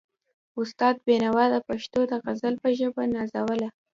استاد بينوا د پښتو د غزل ژبه هم نازوله.